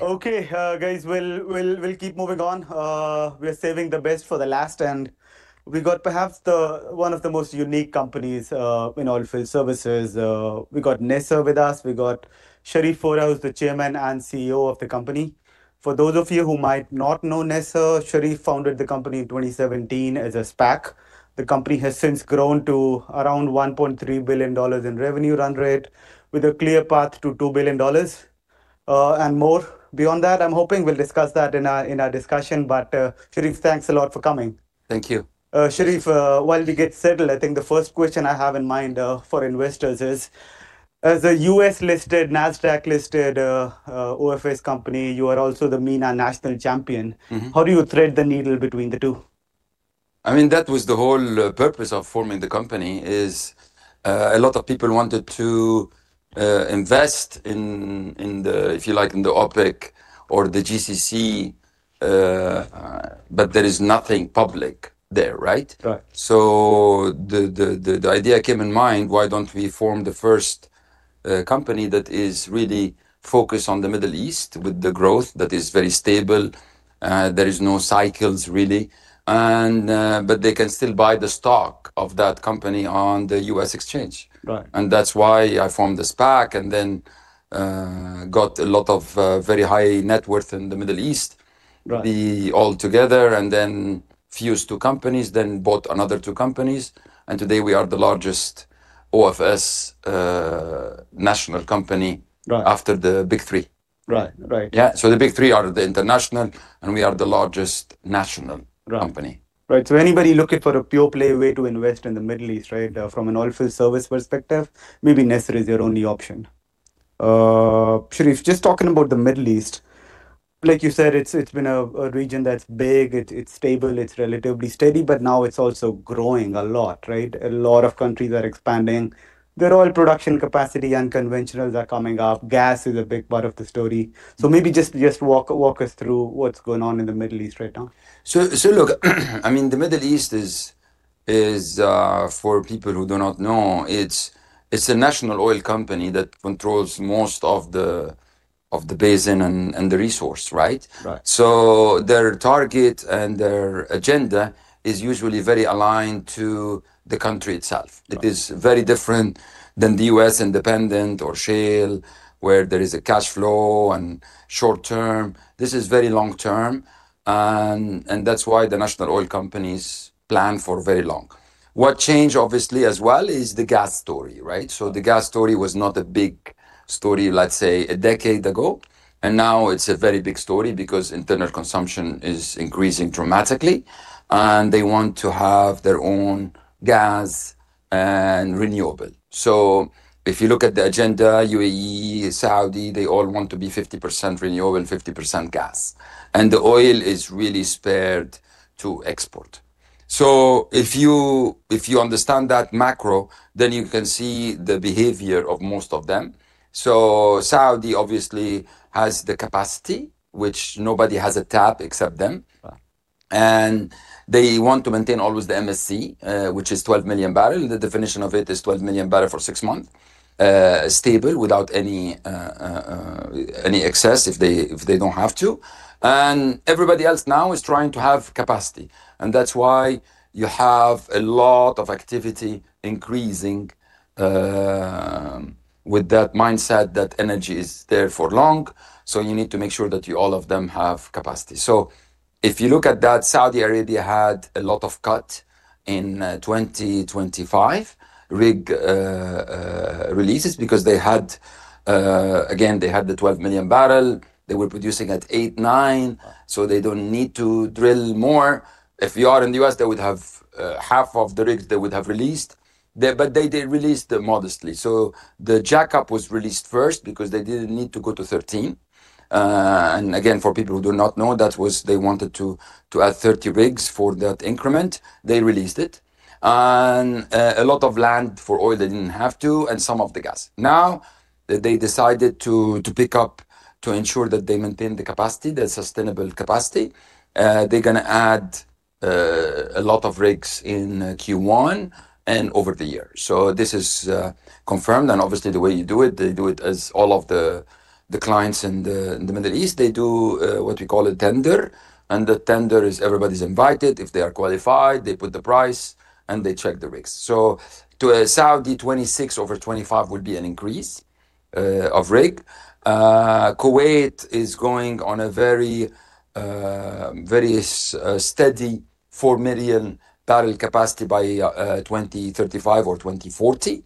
Okay, guys, we'll keep moving on. We're saving the best for the last, and we got perhaps one of the most unique companies in oilfield services. We got NESR with us. We got Sherif Foda Foda, who's the Chairman and CEO of the company. For those of you who might not know NESR, Sherif Foda founded the company in 2017 as a SPAC. The company has since grown to around $1.3 billion in revenue run rate, with a clear path to $2 billion and more. Beyond that, I'm hoping we'll discuss that in our discussion. Sherif Foda, thanks a lot for coming. Thank you. Sherif Foda, while we get settled, I think the first question I have in mind for investors is, as a US-listed, NASDAQ-listed OFS company, you are also the MENA national champion. How do you thread the needle between the two? I mean, that was the whole purpose of forming the company, is a lot of people wanted to invest in the, if you like, in the OPEC or the GCC, but there is nothing public there, right? Right. The idea came in mind, why don't we form the first company that is really focused on the Middle East with the growth that is very stable? There are no cycles, really, but they can still buy the stock of that company on the U.S. exchange. That is why I formed the SPAC and then got a lot of very high net worth in the Middle East, the all together, and then fused two companies, then bought another two companies. Today we are the largest OFS national company after the big three. Right, right. Yeah. The big three are the international, and we are the largest national company. Right. So anybody looking for a pure-play way to invest in the Middle East, right, from an oilfield service perspective, maybe NESR is your only option. Sherif Foda, just talking about the Middle East, like you said, it's been a region that's big, it's stable, it's relatively steady, but now it's also growing a lot, right? A lot of countries are expanding. Their oil production capacity and conventionals are coming up. Gas is a big part of the story. Maybe just walk us through what's going on in the Middle East right now. Look, I mean, the Middle East is, for people who do not know, it's a national oil company that controls most of the basin and the resource, right? Right. Their target and their agenda is usually very aligned to the country itself. It is very different than the U.S. independent or shale, where there is a cash flow and short term. This is very long term. That is why the national oil companies plan for very long. What changed, obviously, as well is the gas story, right? The gas story was not a big story, let's say, a decade ago. Now it is a very big story because internal consumption is increasing dramatically, and they want to have their own gas and renewable. If you look at the agenda, UAE, Saudi, they all want to be 50% renewable, 50% gas. The oil is really spared to export. If you understand that macro, then you can see the behavior of most of them. Saudi obviously has the capacity, which nobody has a tap except them. They want to maintain always the MSC, which is 12 million barrel. The definition of it is 12 million barrel for six months, stable without any excess if they do not have to. Everybody else now is trying to have capacity. That is why you have a lot of activity increasing with that mindset that energy is there for long. You need to make sure that all of them have capacity. If you look at that, Saudi Arabia had a lot of cuts in 2025, rig releases, because they had, again, they had the 12 million barrel. They were producing at eight, nine, so they do not need to drill more. If you are in the U.S., they would have half of the rigs they would have released, but they released them modestly. The jackup was released first because they did not need to go to 13. Again, for people who do not know, that was they wanted to add 30 rigs for that increment. They released it. A lot of land for oil, they did not have to, and some of the gas. Now they decided to pick up to ensure that they maintain the capacity, the sustainable capacity. They are going to add a lot of rigs in Q1 and over the year. This is confirmed. Obviously, the way you do it, they do it as all of the clients in the Middle East, they do what we call a tender. The tender is everybody is invited. If they are qualified, they put the price and they check the rigs. To Saudi, 2026 over 2025 would be an increase of rig. Kuwait is going on a very steady 4 million barrel capacity by 2035 or 2040.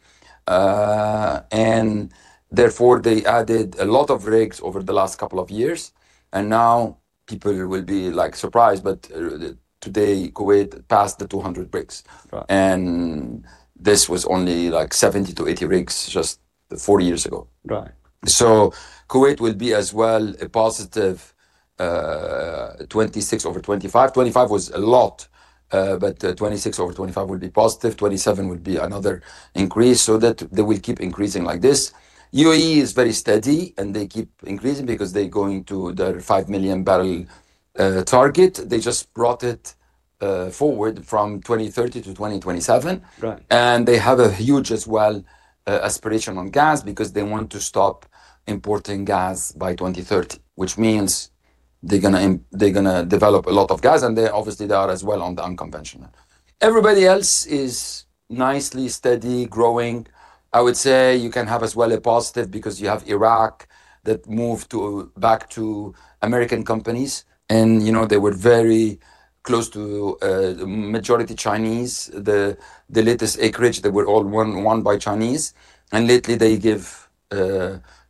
Therefore, they added a lot of rigs over the last couple of years. Now people will be like surprised, but today Kuwait passed the 200 rigs. This was only like 70-80 rigs just 40 years ago. Right. Kuwait will be as well a positive 2026 over 2025. 2025 was a lot, but 2026 over 2025 would be positive. 2027 would be another increase so that they will keep increasing like this. UAE is very steady and they keep increasing because they are going to their 5 million barrel target. They just brought it forward from 2030 to 2027. They have a huge as well aspiration on gas because they want to stop importing gas by 2030, which means they are going to develop a lot of gas. Obviously, they are as well on the unconventional. Everybody else is nicely steady, growing. I would say you can have as well a positive because you have Iraq that moved back to American companies. You know they were very close to majority Chinese. The latest acreage, they were all won by Chinese. Lately, they gave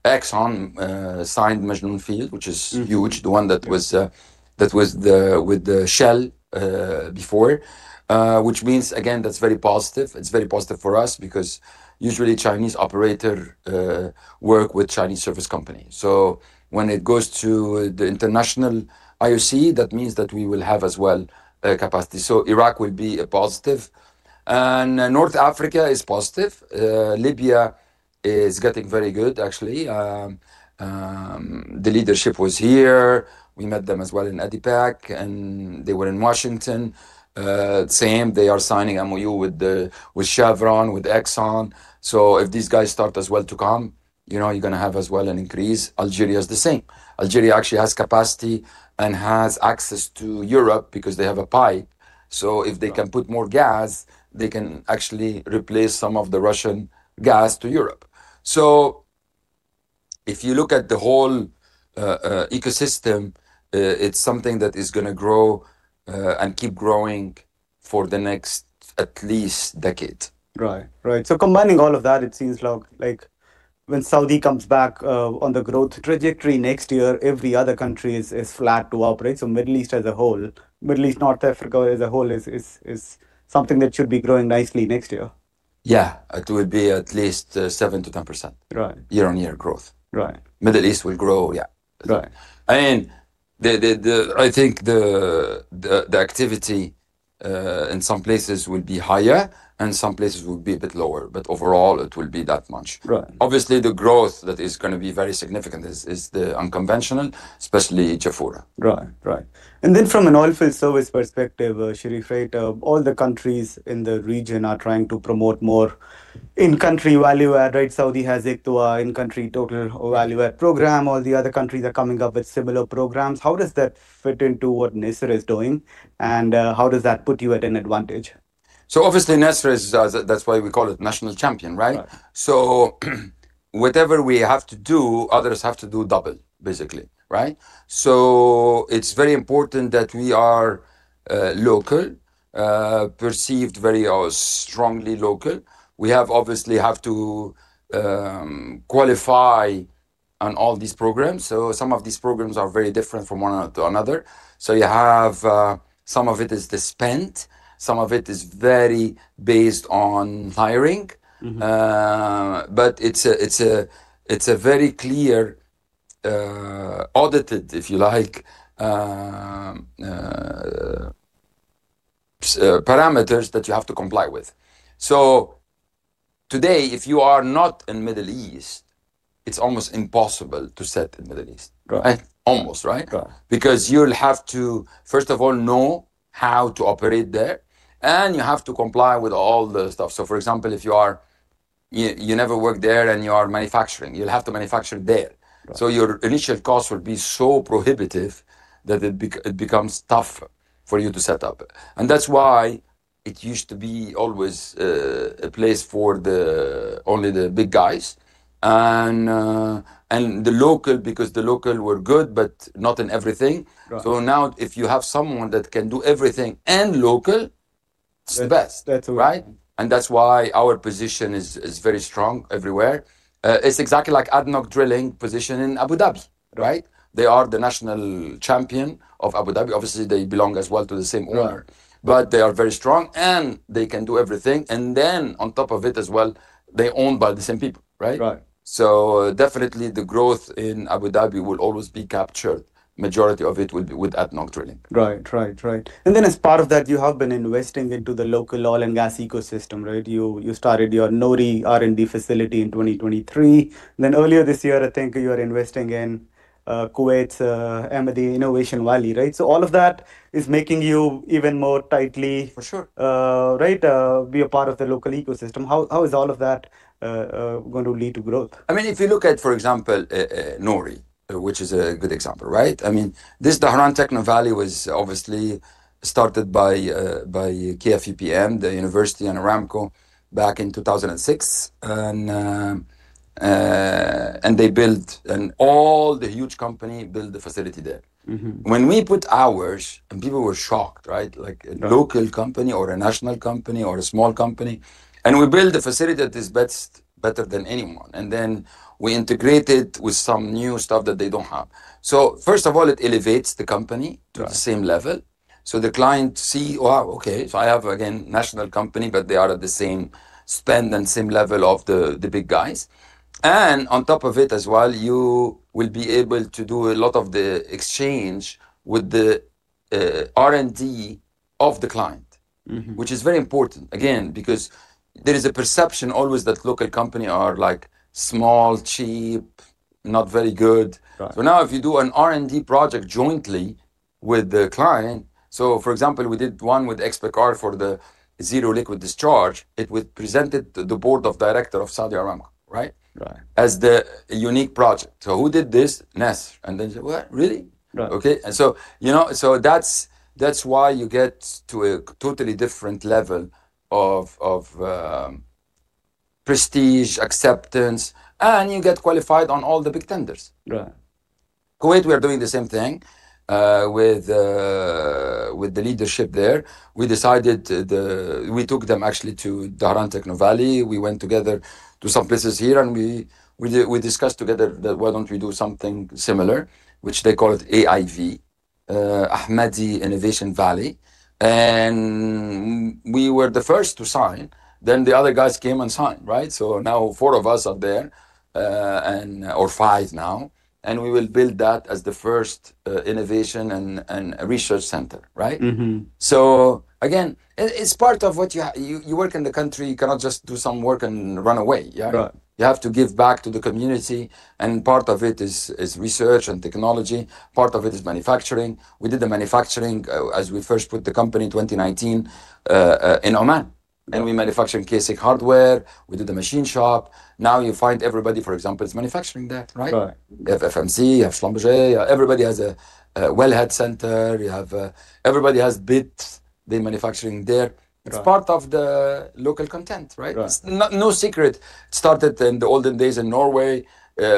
Exxon signed Majnoon Oilfield, which is huge, the one that was with Shell before, which means again, that's very positive. It's very positive for us because usually Chinese operators work with Chinese service companies. When it goes to the international IOC, that means that we will have as well a capacity. Iraq will be a positive. North Africa is positive. Libya is getting very good, actually. The leadership was here. We met them as well in ADIPEC, and they were in Washington. Same, they are signing MoU with Chevron, with Exxon. If these guys start as well to come, you know you're going to have as well an increase. Algeria is the same. Algeria actually has capacity and has access to Europe because they have a pipe. If they can put more gas, they can actually replace some of the Russian gas to Europe. If you look at the whole ecosystem, it is something that is going to grow and keep growing for the next at least decade. Right, right. Combining all of that, it seems like when Saudi comes back on the growth trajectory next year, every other country is flat to operate. Middle East as a whole, Middle East, North Africa as a whole is something that should be growing nicely next year. Yeah, it would be at least 7%-10% year-on-year growth. Right. Middle East will grow, yeah. Right. I mean, I think the activity in some places will be higher and some places will be a bit lower, but overall, it will be that much. Right. Obviously, the growth that is going to be very significant is the unconventional, especially Jafurah. Right, right. From an oilfield service perspective, Sherif Foda, all the countries in the region are trying to promote more in-country value add, right? Saudi has [Ikhssass] in-country total value add program. All the other countries are coming up with similar programs. How does that fit into what NESR is doing? How does that put you at an advantage? Obviously, NESR is, that's why we call it national champion, right? Whatever we have to do, others have to do double, basically, right? It is very important that we are local, perceived very strongly local. We obviously have to qualify on all these programs. Some of these programs are very different from one another. Some of it is the spend. Some of it is very based on hiring. It is a very clear, audited, if you like, parameters that you have to comply with. Today, if you are not in the Middle East, it is almost impossible to set in the Middle East. Right. Almost, right? Right. Because you'll have to, first of all, know how to operate there, and you have to comply with all the stuff. For example, if you never work there and you are manufacturing, you'll have to manufacture there. Your initial costs will be so prohibitive that it becomes tough for you to set up. That is why it used to be always a place for only the big guys and the local, because the local were good, but not in everything. Now if you have someone that can do everything and local, it's the best, right? That is why our position is very strong everywhere. It's exactly like ADNOC Drilling position in Abu Dhabi, right? They are the national champion of Abu Dhabi. Obviously, they belong as well to the same owner, but they are very strong and they can do everything. They are owned by the same people, right? Right. Definitely the growth in Abu Dhabi will always be captured. Majority of it will be with ADNOC Drilling. Right, right, right. As part of that, you have been investing into the local oil and gas ecosystem, right? You started your Nori R&D facility in 2023. Earlier this year, I think you are investing in Kuwait's Ahmadi Innovation Valley, right? All of that is making you even more tightly. For sure. Right? Be a part of the local ecosystem. How is all of that going to lead to growth? I mean, if you look at, for example, Nori, which is a good example, right? I mean, this Dhahran Techno Valley was obviously started by KFUPM, the University and Aramco back in 2006. And they built, and all the huge companies built the facility there. When we put ours, and people were shocked, right? Like a local company or a national company or a small company, and we build a facility that is better than anyone. Then we integrate it with some new stuff that they do not have. First of all, it elevates the company to the same level. The client sees, wow, okay, so I have again national company, but they are at the same spend and same level of the big guys. On top of it as well, you will be able to do a lot of the exchange with the R&D of the client, which is very important. Again, because there is a perception always that local company are like small, cheap, not very good. Now if you do an R&D project jointly with the client, for example, we did one with ExpoCar for the zero liquid discharge, it was presented to the board of director of Saudi Aramco, right? Right. As the unique project. Who did this? NESR. He said, what, really? Okay. You know, that is why you get to a totally different level of prestige, acceptance, and you get qualified on all the big tenders. Right. Kuwait, we are doing the same thing with the leadership there. We decided we took them actually to Dhahran Techno Valley. We went together to some places here, and we discussed together that why don't we do something similar, which they call it AIV, Ahmadi Innovation Valley. We were the first to sign. The other guys came and signed, right? Now four of us are there or five now. We will build that as the first innovation and research center, right? Again, it's part of what you work in the country, you cannot just do some work and run away. You have to give back to the community. Part of it is research and technology. Part of it is manufacturing. We did the manufacturing as we first put the company in 2019 in Oman. We manufactured KSIC hardware. We did the machine shop. Now you find everybody, for example, is manufacturing there, right? Right. Technologies, you have Schlumberger, everybody has a wellhead center. Everybody has bits. They're manufacturing there. It's part of the local content, right? Right. No secret. It started in the olden days in Norway.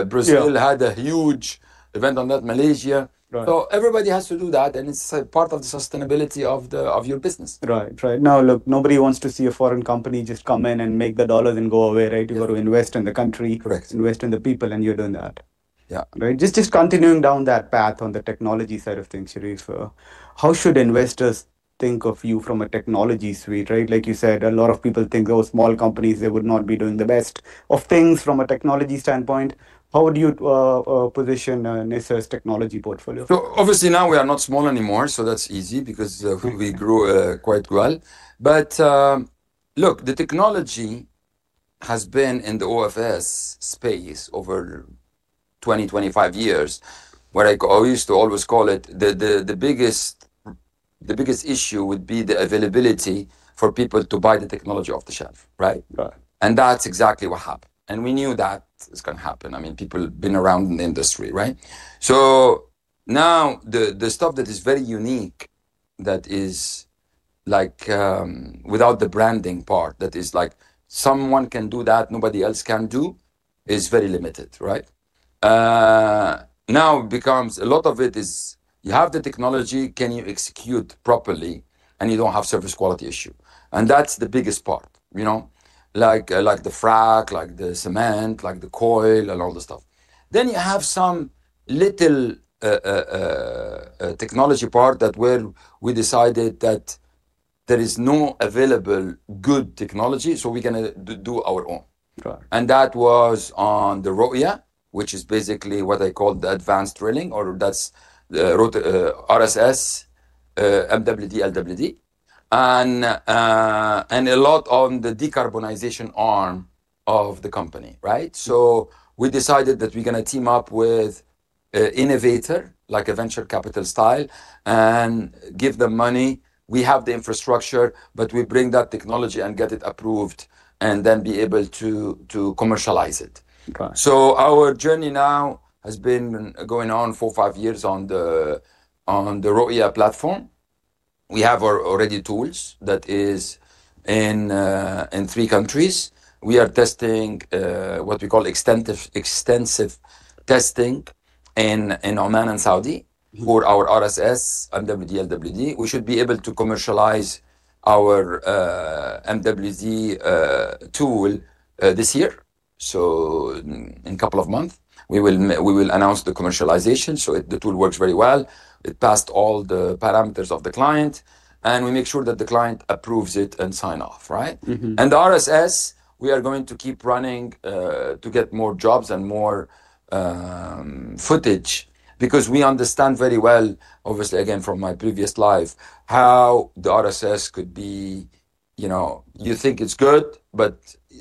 Brazil had a huge event on that, Malaysia. Everybody has to do that. It is part of the sustainability of your business. Right, right. Now look, nobody wants to see a foreign company just come in and make the dollars and go away, right? You got to invest in the country, invest in the people, and you're doing that. Yeah. Right? Just continuing down that path on the technology side of things, Sherif Foda, how should investors think of you from a technology suite, right? Like you said, a lot of people think those small companies, they would not be doing the best of things from a technology standpoint. How would you position NESR's technology portfolio? Obviously now we are not small anymore, so that's easy because we grew quite well. But look, the technology has been in the OFS space over 20, 25 years, where I used to always call it the biggest issue would be the availability for people to buy the technology off the shelf, right? Right. That is exactly what happened. We knew that it is going to happen. I mean, people have been around in the industry, right? Now the stuff that is very unique, that is without the branding part, that is like someone can do that, nobody else can do, is very limited, right? Now it becomes a lot of it is you have the technology, can you execute properly, and you do not have service quality issue. That is the biggest part, you know, like the frac, like the cement, like the coil, and all the stuff. You have some little technology part where we decided that there is no available good technology, so we are going to do our own. Right. That was on the ROIA, which is basically what I call the advanced drilling, or that's RSS, MWD, LWD, and a lot on the decarbonization arm of the company, right? We decided that we're going to team up with Innovator, like a venture capital style, and give them money. We have the infrastructure, but we bring that technology and get it approved and then be able to commercialize it. Our journey now has been going on four, five years on the ROIA platform. We have already tools that are in three countries. We are testing what we call extensive testing in Oman and Saudi for our RSS, MWD, LWD. We should be able to commercialize our MWD tool this year. In a couple of months, we will announce the commercialization. The tool works very well. It passed all the parameters of the client. We make sure that the client approves it and signs off, right? The RSS, we are going to keep running to get more jobs and more footage because we understand very well, obviously, again, from my previous life, how the RSS could be, you know, you think it's good, but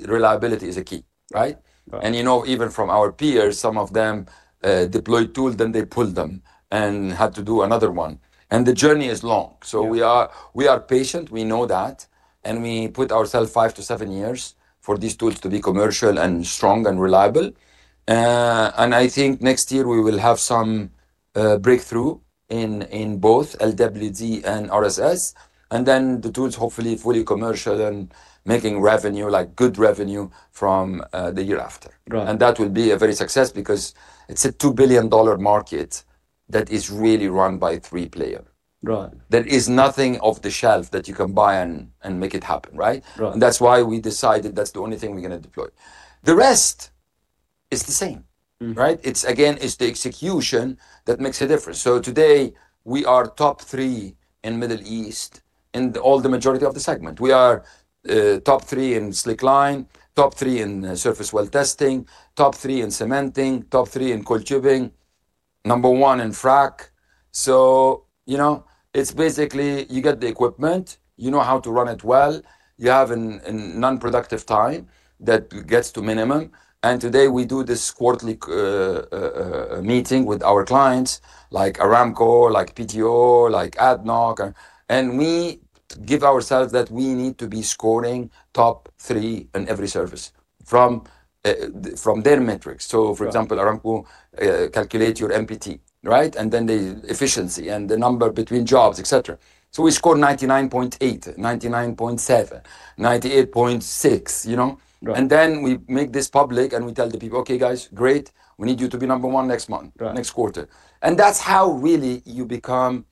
reliability is a key, right? You know, even from our peers, some of them deployed tools, then they pulled them and had to do another one. The journey is long. We are patient. We know that. We put ourselves five to seven years for these tools to be commercial and strong and reliable. I think next year we will have some breakthrough in both LWD and RSS. The tools, hopefully, fully commercial and making revenue, like good revenue from the year after. Right. That will be a very success because it's a $2 billion market that is really run by three players. Right. There is nothing off the shelf that you can buy and make it happen, right? Right. That is why we decided that is the only thing we are going to deploy. The rest is the same, right? It is again, it is the execution that makes a difference. Today, we are top three in the Middle East in the majority of the segment. We are top three in slickline, top three in surface well testing, top three in cementing, top three in coiled tubing, number one in frac. You know, it is basically you get the equipment, you know how to run it well, you have a non-productive time that gets to minimum. Today we do this quarterly meeting with our clients, like Aramco, like PDO, like ADNOC. We give ourselves that we need to be scoring top three in every service from their metrics. For example, Aramco calculates your MPT, right? And then the efficiency and the number between jobs, et cetera. We score 99.8, 99.7, 98.6, you know? Right. We make this public and we tell the people, okay, guys, great, we need you to be number one next month, next quarter. That is how you really become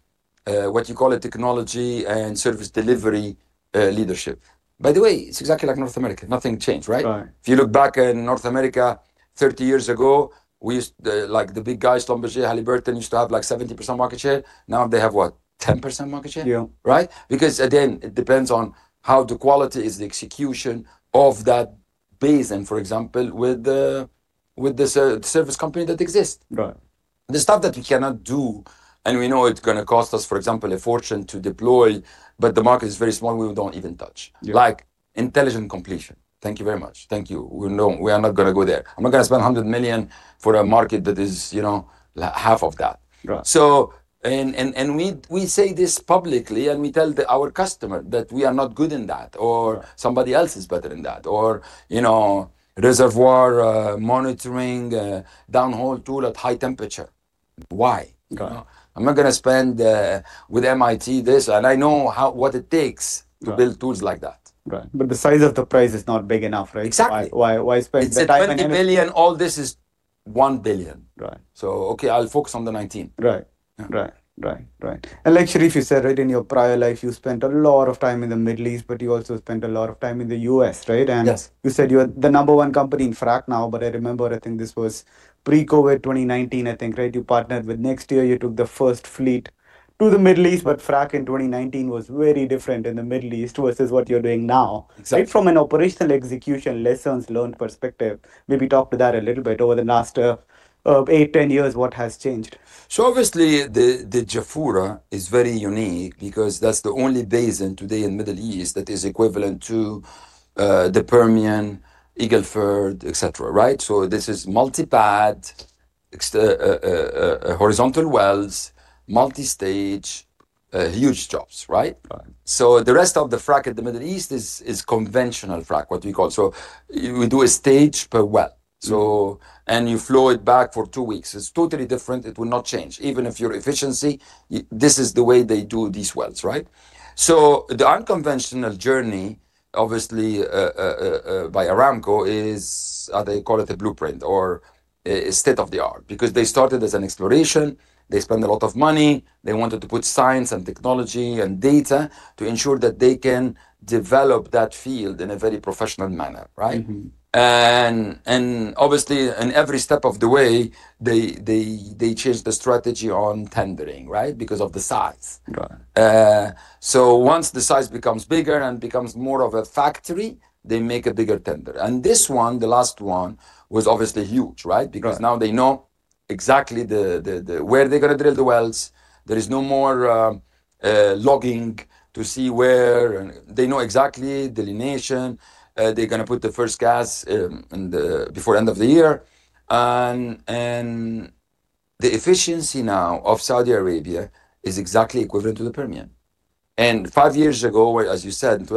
what you call a technology and service delivery leadership. By the way, it is exactly like North America. Nothing changed, right? Right. If you look back in North America 30 years ago, we used to, like the big guys, Schlumberger, Halliburton, used to have like 70% market share. Now they have what, 10% market share? Yeah. Right? Because again, it depends on how the quality is, the execution of that basin, for example, with the service company that exists. Right. The stuff that we cannot do and we know it's going to cost us, for example, a fortune to deploy, but the market is very small, we do not even touch. Like intelligent completion. Thank you very much. Thank you. We are not going to go there. I'm not going to spend $100 million for a market that is, you know, half of that. Right. We say this publicly and we tell our customer that we are not good in that or somebody else is better in that or, you know, reservoir monitoring downhole tool at high temperature. Why? I'm not going to spend with MIT this, and I know what it takes to build tools like that. Right. The size of the price is not big enough, right? Exactly. Why spend that? It's $20 million. All this is $1 billion. Right. Okay, I'll focus on the $19. Right, right, right. And like Sherif Foda, you said, in your prior life, you spent a lot of time in the Middle East, but you also spent a lot of time in the U.S., right? Yes. You said you're the number one company in frac now, but I remember, I think this was pre-COVID, 2019, I think, right? You partnered with NexTier. You took the first fleet to the Middle East, but frac in 2019 was very different in the Middle East versus what you're doing now. Exactly. From an operational execution lessons learned perspective, maybe talk to that a little bit over the last eight, ten years, what has changed? Obviously, the Jafurah is very unique because that's the only basin today in the Middle East that is equivalent to the Permian, Eagle Ford, etc, right? This is multi-pad, horizontal wells, multi-stage, huge jobs, right? Right. The rest of the frac in the Middle East is conventional frac, what we call. We do a stage per well, and you flow it back for two weeks. It is totally different. It will not change. Even if your efficiency, this is the way they do these wells, right? The unconventional journey, obviously, by Aramco is, they call it a blueprint or a state of the art because they started as an exploration. They spent a lot of money. They wanted to put science and technology and data to ensure that they can develop that field in a very professional manner, right? Obviously, in every step of the way, they change the strategy on tendering, right, because of the size. Right. Once the size becomes bigger and becomes more of a factory, they make a bigger tender. This one, the last one, was obviously huge, right? Because now they know exactly where they're going to drill the wells. There is no more logging to see where. They know exactly delineation. They're going to put the first gas before the end of the year. The efficiency now of Saudi Arabia is exactly equivalent to the Permian. Five years ago, as you said,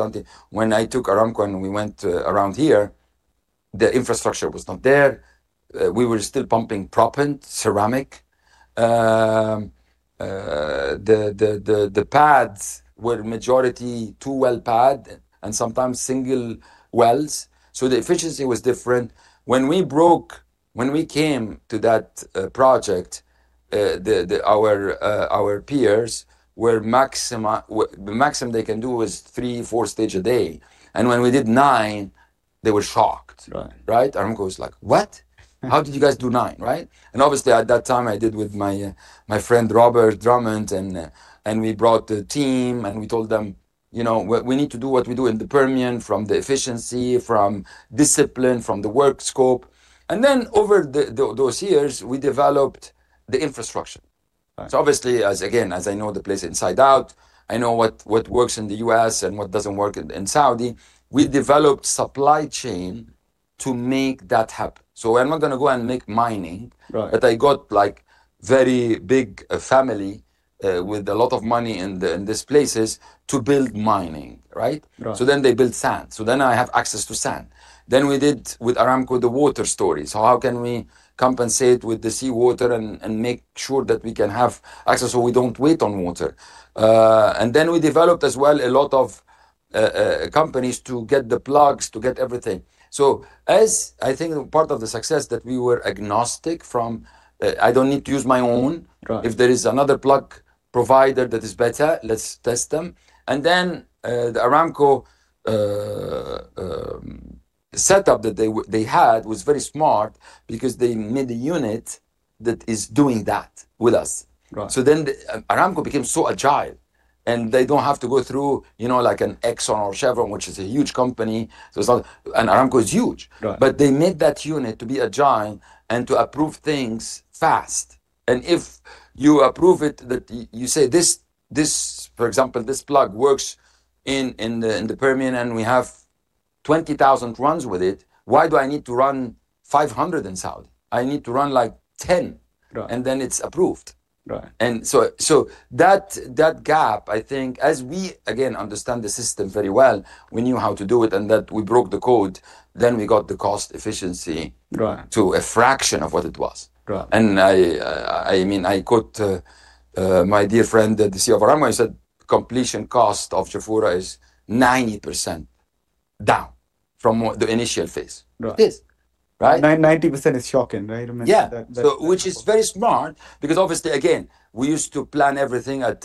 when I took Aramco and we went around here, the infrastructure was not there. We were still pumping propant, ceramic. The pads were majority two well pad and sometimes single wells. The efficiency was different. When we broke, when we came to that project, our peers were maximum, the maximum they can do was three, four stages a day. When we did nine, they were shocked, right? Right. Aramco was like, what? How did you guys do nine, right? Obviously, at that time, I did with my friend Robert Drummond, and we brought the team and we told them, you know, we need to do what we do in the Permian from the efficiency, from discipline, from the work scope. Over those years, we developed the infrastructure. Obviously, again, as I know the place inside out, I know what works in the U.S. and what does not work in Saudi. We developed supply chain to make that happen. I am not going to go and make mining, but I got like a very big family with a lot of money in these places to build mining, right? Right. Then they built sand. Then I have access to sand. Then we did with Aramco, the water stories. How can we compensate with the seawater and make sure that we can have access so we do not wait on water? Then we developed as well a lot of companies to get the plugs, to get everything. I think part of the success is that we were agnostic from, I do not need to use my own. Right. If there is another plug provider that is better, let's test them. The Aramco setup that they had was very smart because they made a unit that is doing that with us. Right. Then Aramco became so agile and they don't have to go through, you know, like an Exxon or Chevron, which is a huge company. And Aramco is huge. Right. They made that unit to be agile and to approve things fast. If you approve it, that you say this, for example, this plug works in the Permian and we have 20,000 runs with it, why do I need to run 500 in Saudi? I need to run like 10. Right. It is approved. Right. That gap, I think, as we again understand the system very well, we knew how to do it and that we broke the code, then we got the cost efficiency. Right. To a fraction of what it was. Right. I mean, I quote my dear friend, the CEO of Aramco, he said, "Completion cost of Jafurah is 90% down from the initial phase. Right. It is, right? 90% is shocking, right? Yeah. Which is very smart because obviously, again, we used to plan everything at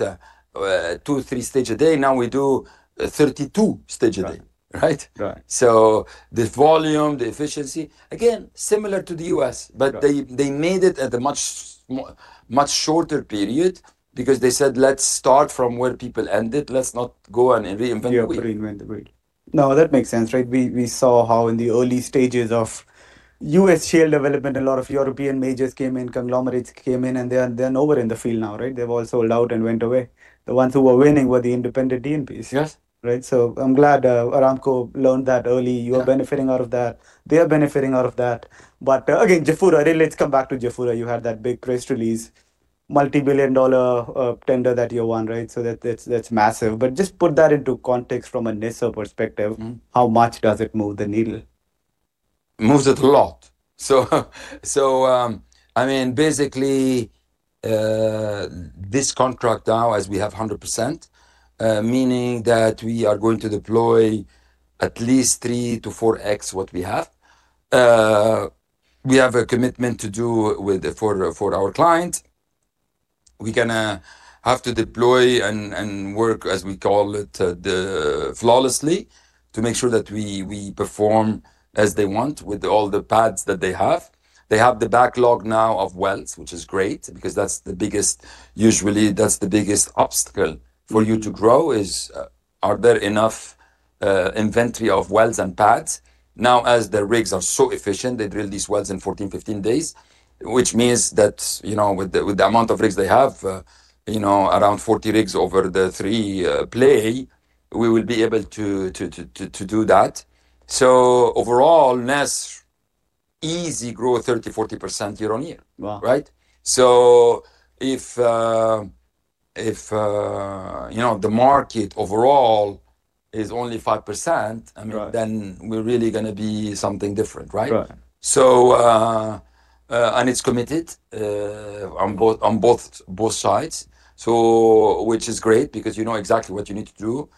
two, three stages a day. Now we do 32 stages a day, right? Right. The volume, the efficiency, again, similar to the U.S., but they made it at a much shorter period because they said, "Let's start from where people ended. Let's not go and reinvent the wheel. No, that makes sense, right? We saw how in the early stages of U.S. shale development, a lot of European majors came in, conglomerates came in, and they are nowhere in the field now, right? They have all sold out and went away. The ones who were winning were the independent E&Ps. Yes. Right? I am glad Aramco learned that early. You are benefiting out of that. They are benefiting out of that. Again, Jafurah, let's come back to Jafurah. You had that big press release, multi-billion dollar tender that you won, right? That is massive. Just put that into context from a NESR perspective, how much does it move the needle? It moves it a lot. I mean, basically, this contract now, as we have 100%, meaning that we are going to deploy at least three to four times what we have. We have a commitment to do with for our clients. We're going to have to deploy and work, as we call it, flawlessly to make sure that we perform as they want with all the pads that they have. They have the backlog now of wells, which is great because that's the biggest, usually that's the biggest obstacle for you to grow is, are there enough inventory of wells and pads? Now, as the rigs are so efficient, they drill these wells in 14-15 days, which means that, you know, with the amount of rigs they have, you know, around 40 rigs over the three play, we will be able to do that. Overall, NESR, easy grow 30%-40% year-on-year, right? Wow. If, you know, the market overall is only 5%, I mean, then we're really going to be something different, right? Right. It is committed on both sides, which is great because you know exactly what you need to do.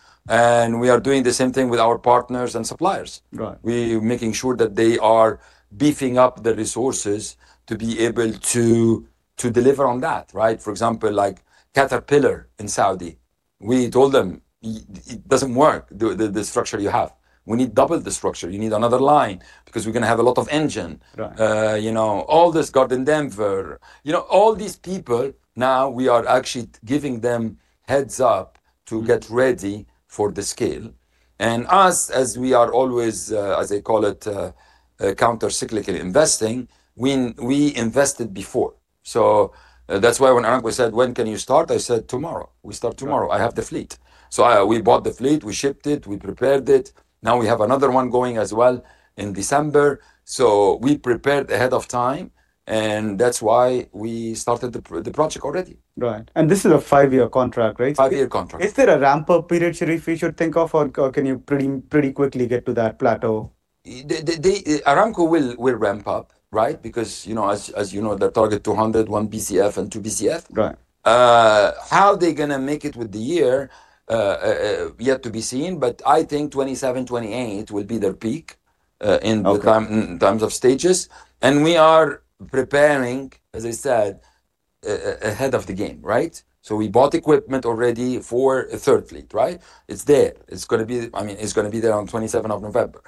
We are doing the same thing with our partners and suppliers. Right. We're making sure that they are beefing up the resources to be able to deliver on that, right? For example, like Caterpillar in Saudi, we told them it doesn't work, the structure you have. We need double the structure. You need another line because we're going to have a lot of engine. Right. You know, all this Gardner Denver, you know, all these people, now we are actually giving them heads up to get ready for the scale. And us, as we are always, as they call it, countercyclically investing, we invested before. That is why when Aramco said, "When can you start?" I said, "Tomorrow, we start tomorrow. I have the fleet." We bought the fleet, we shipped it, we prepared it. Now we have another one going as well in December. We prepared ahead of time and that is why we started the project already. Right. And this is a five-year contract, right? Five-year contract. Is there a ramp-up period, Sherif Foda, we should think of, or can you pretty quickly get to that plateau? Aramco will ramp-up, right? Because, you know, as you know, their target 200, one BCF and two BCF. Right. How they're going to make it with the year yet to be seen, but I think 2027, 2028 will be their peak in terms of stages. We are preparing, as I said, ahead of the game, right? We bought equipment already for a third fleet, right? It's there. It's going to be, I mean, it's going to be there on 27th of November.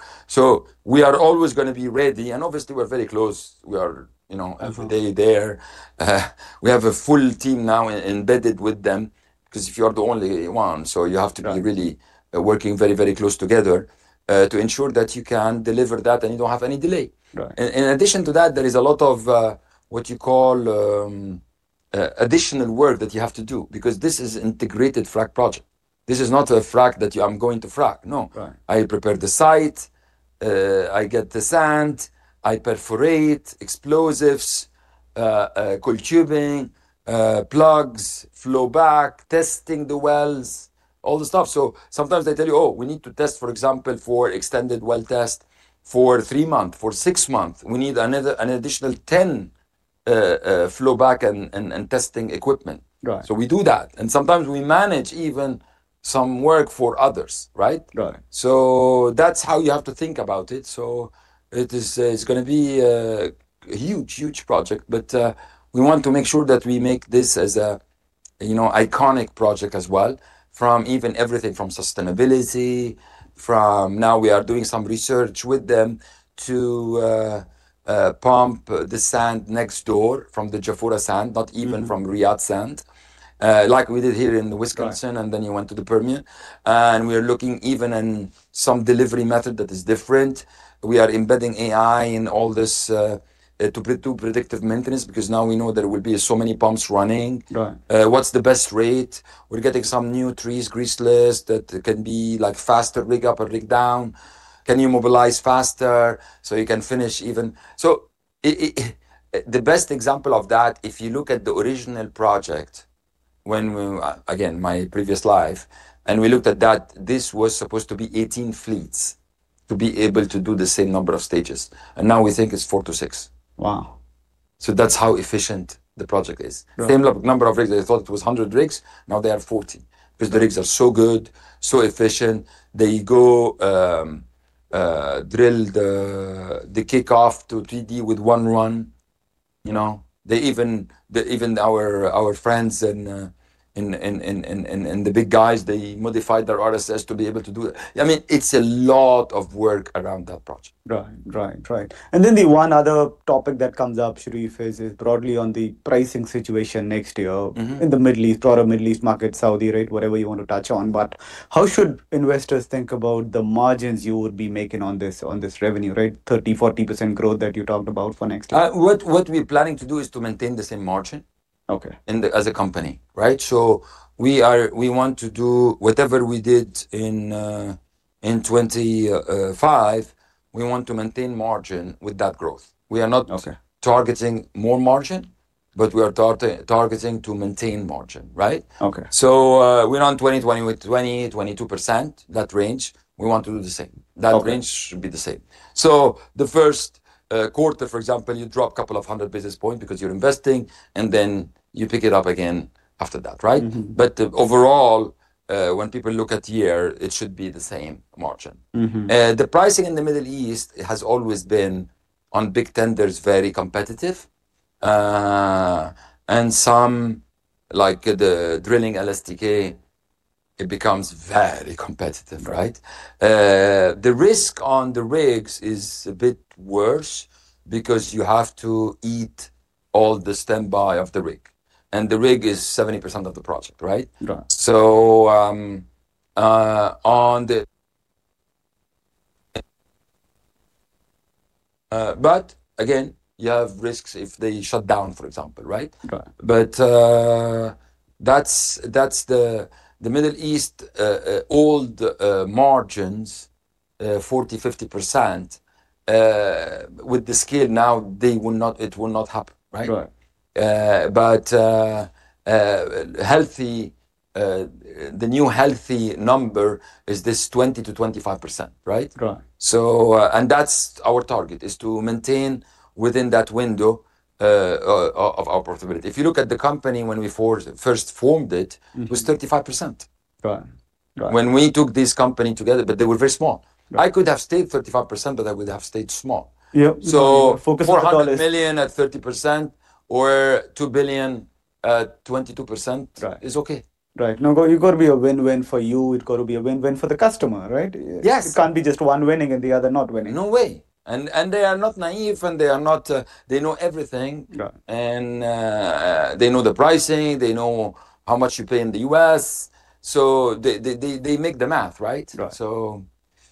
We are always going to be ready. Obviously, we're very close. We are, you know, every day there. We have a full team now embedded with them because if you are the only one, you have to be really working very, very close together to ensure that you can deliver that and you don't have any delay. Right. In addition to that, there is a lot of what you call additional work that you have to do because this is an integrated frac project. This is not a frac that I'm going to frac. No. Right. I prepare the site, I get the sand, I perforate, explosives, coiled tubing, plugs, flow back, testing the wells, all the stuff. Sometimes they tell you, "Oh, we need to test, for example, for extended well test for three months, for six months. We need an additional 10 flow back and testing equipment. Right. We do that. And sometimes we manage even some work for others, right? Right. That is how you have to think about it. It is going to be a huge, huge project, but we want to make sure that we make this as a, you know, iconic project as well from even everything from sustainability. Now we are doing some research with them to pump the sand next door from the Jafurah sand, not even from Riyadh sand, like we did here in Wisconsin and then you went to the Permian. We are looking even in some delivery method that is different. We are embedding AI in all this to predictive maintenance because now we know there will be so many pumps running. Right. What's the best rate? We're getting some new trees, graceless, that can be like faster rig up or rig down. Can you mobilize faster so you can finish even? The best example of that, if you look at the original project when, again, my previous life, and we looked at that, this was supposed to be 18 fleets to be able to do the same number of stages. Now we think it's four-six. Wow. That's how efficient the project is. Right. Same number of rigs. They thought it was 100 rigs. Now they are 40 because the rigs are so good, so efficient. They go drill the kickoff to 3D with one run. You know, even our friends and the big guys, they modified their RSS to be able to do that. I mean, it's a lot of work around that project. Right, right, right. The one other topic that comes up, Sherif Foda, is broadly on the pricing situation next year in the Middle East, broader Middle East market, Saudi, right? Whatever you want to touch on. How should investors think about the margins you would be making on this revenue, right? 30%-40% growth that you talked about for next year. What we're planning to do is to maintain the same margin. Okay. As a company, right? We want to do whatever we did in 2025, we want to maintain margin with that growth. We are not targeting more margin, but we are targeting to maintain margin, right? Okay. We're on 20%-22%, that range. We want to do the same. That range should be the same. The first quarter, for example, you drop a couple of hundred basis points because you're investing and then you pick it up again after that, right? Overall, when people look at the year, it should be the same margin. The pricing in the Middle East has always been on big tenders, very competitive. Some, like the drilling LSTK, it becomes very competitive, right? The risk on the rigs is a bit worse because you have to eat all the standby of the rig. The rig is 70% of the project, right? Right. On the, but again, you have risks if they shut down, for example, right? Right. That is the Middle East old margins, 40%-50% with the scale now, it will not happen, right? Right. The new healthy number is this 20%-25%, right? Right. And that's our target is to maintain within that window of our profitability. If you look at the company when we first formed it, it was 35%. Right, right. When we took this company together, but they were very small. I could have stayed 35%, but I would have stayed small. Yeah. So. Focus on that. $400 million at 30% or $2 billion, 22% is okay. Right. Now, it's got to be a win-win for you. It's got to be a win-win for the customer, right? Yes. It can't be just one winning and the other not winning. No way. They are not naive and they are not, they know everything. Right. They know the pricing. They know how much you pay in the U.S., so they make the math, right? Right.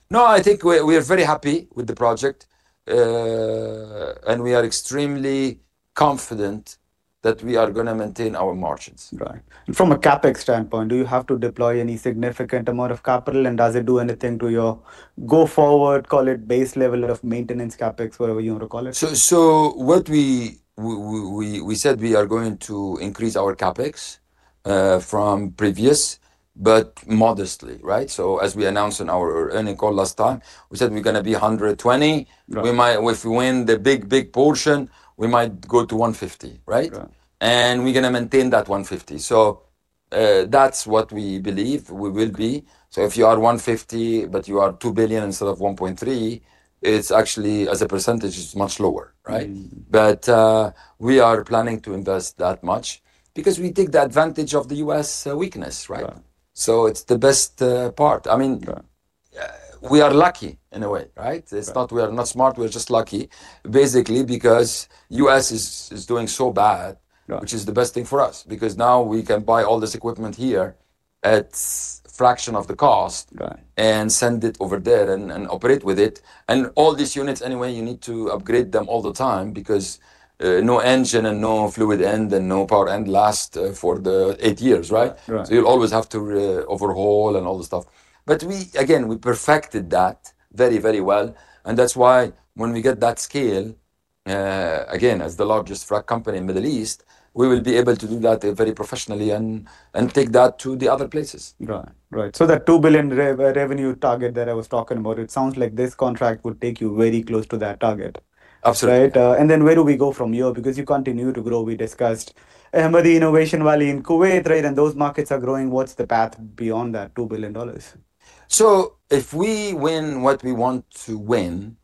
No, I think we are very happy with the project and we are extremely confident that we are going to maintain our margins. Right. From a CapEx standpoint, do you have to deploy any significant amount of capital and does it do anything to your go forward, call it base level of maintenance CapEx, whatever you want to call it? What we said, we are going to increase our CapEx from previous, but modestly, right? As we announced in our earning call last time, we said we're going to be $120. Right. If we win the big, big portion, we might go to $150 million, right? Right. We are going to maintain that $150 million. That is what we believe we will be. If you are $150 million, but you are $2 billion instead of $1.3 billion, it is actually as a percentage, it is much lower, right? We are planning to invest that much because we take the advantage of the U.S. weakness, right? Right. It's the best part. I mean, we are lucky in a way, right? It's not we are not smart. We're just lucky basically because the U.S. is doing so bad, which is the best thing for us because now we can buy all this equipment here at a fraction of the cost and send it over there and operate with it. All these units anyway, you need to upgrade them all the time because no engine and no fluid end and no power end last for eight years, right? Right. You will always have to overhaul and all the stuff. We, again, we perfected that very, very well. That is why when we get that scale, again, as the largest frac company in the Middle East, we will be able to do that very professionally and take that to the other places. Right, right. So that $2 billion revenue target that I was talking about, it sounds like this contract would take you very close to that target. Absolutely. Right? And then where do we go from here? Because you continue to grow. We discussed Ahmadi Innovation Valley in Kuwait, right? And those markets are growing. What's the path beyond that $2 billion? If we win what we want to win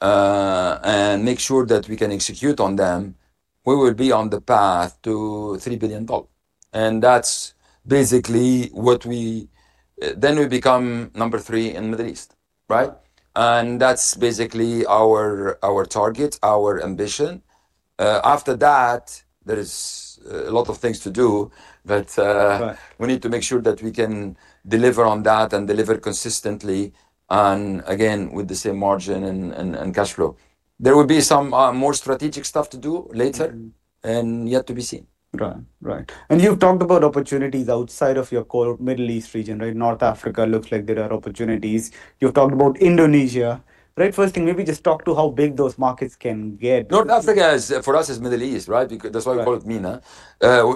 and make sure that we can execute on them, we will be on the path to $3 billion. That is basically when we become number three in the Middle East, right? That is basically our target, our ambition. After that, there is a lot of things to do, but we need to make sure that we can deliver on that and deliver consistently and again, with the same margin and cash flow. There will be some more strategic stuff to do later and yet to be seen. Right, right. You've talked about opportunities outside of your core Middle East region, right? North Africa looks like there are opportunities. You've talked about Indonesia, right? First thing, maybe just talk to how big those markets can get. North Africa for us is Middle East, right? That's why we call it MENA.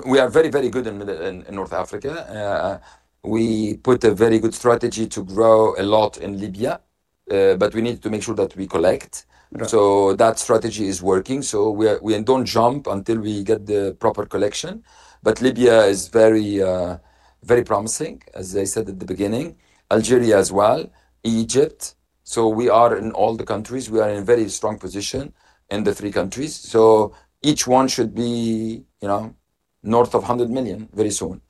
We are very, very good in North Africa. We put a very good strategy to grow a lot in Libya, but we need to make sure that we collect. So that strategy is working. We do not jump until we get the proper collection. Libya is very promising, as I said at the beginning. Algeria as well, Egypt. We are in all the countries. We are in a very strong position in the three countries. Each one should be, you know, north of $100 million very soon.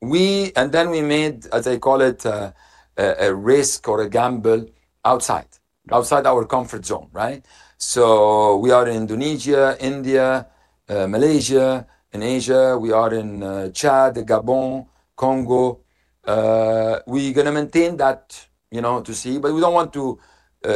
We made, as I call it, a risk or a gamble outside, outside our comfort zone, right? We are in Indonesia, India, Malaysia, in Asia. We are in Chad, Gabon, Congo. We're going to maintain that, you know, to see. We do not want to,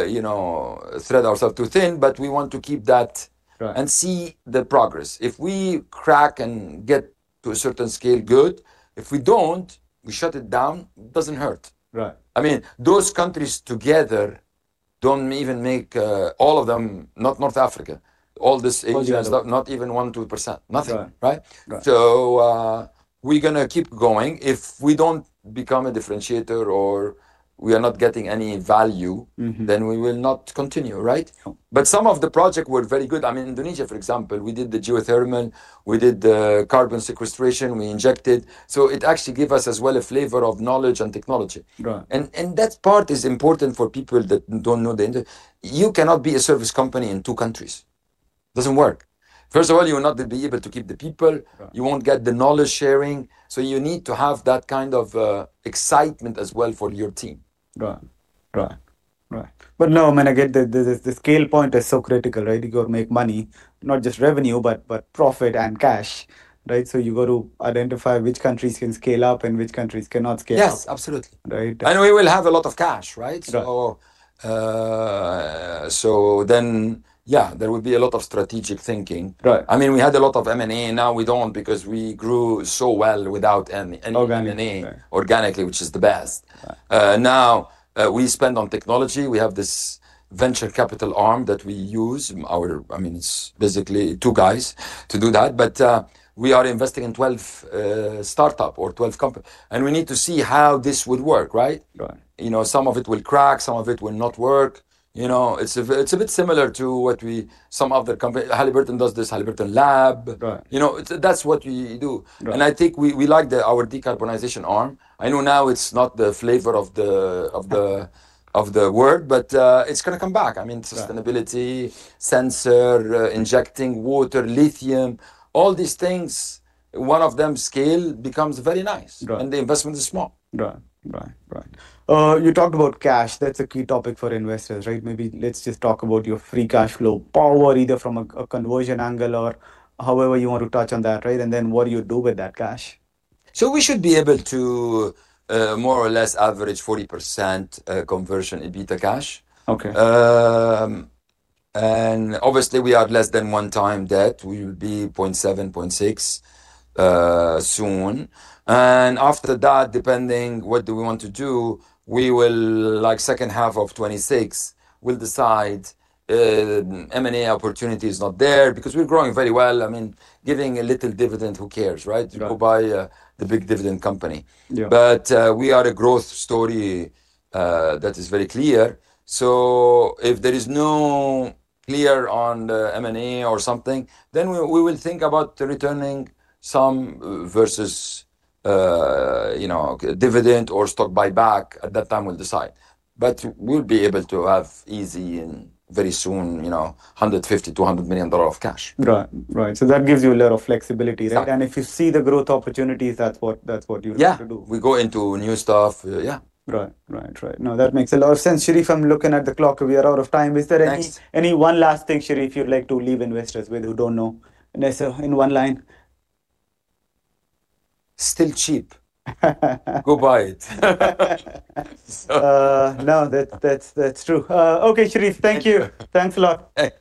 you know, thread ourselves too thin, but we want to keep that and see the progress. If we crack and get to a certain scale, good. If we do not, we shut it down, it does not hurt. Right. I mean, those countries together do not even make all of them, not North Africa, all this Asia, not even 1%-2%, nothing, right? Right. We're going to keep going. If we do not become a differentiator or we are not getting any value, then we will not continue, right? Some of the projects were very good. I mean, Indonesia, for example, we did the geothermal, we did the carbon sequestration, we injected. It actually gave us as well a flavor of knowledge and technology. Right. That part is important for people that do not know the... You cannot be a service company in two countries. Does not work. First of all, you will not be able to keep the people. You will not get the knowledge sharing. You need to have that kind of excitement as well for your team. Right, right, right. No, I mean, again, the scale point is so critical, right? You're going to make money, not just revenue, but profit and cash, right? You've got to identify which countries can scale up and which countries cannot scale up. Yes, absolutely. Right? We will have a lot of cash, right? Right. Yeah, there will be a lot of strategic thinking. Right. I mean, we had a lot of M&A. Now we do not because we grew so well without any M&A organically, which is the best. Now we spend on technology. We have this venture capital arm that we use. I mean, it is basically two guys to do that. We are investing in 12 startups or 12 companies. We need to see how this would work, right? Right. You know, some of it will crack, some of it will not work. You know, it's a bit similar to what we... some other company, Halliburton does this, Halliburton Lab. Right. You know, that's what we do. I think we like our decarbonization arm. I know now it's not the flavor of the word, but it's going to come back. I mean, sustainability, sensor, injecting water, lithium, all these things. One of them scale becomes very nice. Right. The investment is small. Right, right, right. You talked about cash. That is a key topic for investors, right? Maybe let's just talk about your free cash flow power, either from a conversion angle or however you want to touch on that, right? And then what do you do with that cash? We should be able to more or less average 40% conversion in beta cash. Okay. Obviously we are less than one time debt. We will be 0.7, 0.6 soon. After that, depending on what we want to do, we will, like second half of 2026, we'll decide M&A opportunity is not there because we're growing very well. I mean, giving a little dividend, who cares, right? Right. You go buy the big dividend company. Yeah. We are a growth story that is very clear. If there is no clear M&A or something, then we will think about returning some versus, you know, dividend or stock buyback. At that time, we'll decide. We'll be able to have easy and very soon, you know, $150-$200 million of cash. Right, right. So that gives you a lot of flexibility, right? Yeah. If you see the growth opportunities, that's what you're going to do. Yeah. We go into new stuff. Yeah. Right, right, right. No, that makes a lot of sense. Sherif Foda, I'm looking at the clock. We are out of time. Is there any one last thing, Sherif Foda, you'd like to leave investors with who don't know in one line? Still cheap. Go buy it. No, that's true. Okay, Sherif Foda, thank you. Thanks a lot. Thanks.